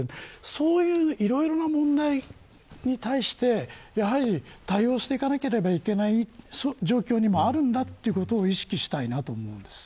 そういういろいろな問題に対して対応していかなければいけない状況にもあるんだということを意識したいと思います。